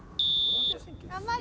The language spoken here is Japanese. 頑張れ！